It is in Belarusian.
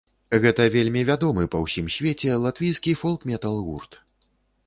Гэта вельмі вядомы па ўсім свеце латвійскі фолк-метал-гурт.